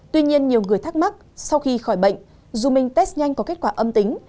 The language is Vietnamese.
tuy nhiên nhiều người thắc mắc sau khi khỏi bệnh dù mình test nhanh có kết quả âm tính